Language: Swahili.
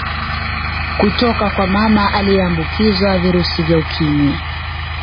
Kutoka kwa mama aliyeambukizwa virusi vya Ukimwi